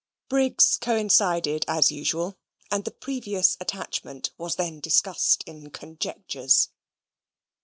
Briggs coincided as usual, and the "previous attachment" was then discussed in conjectures.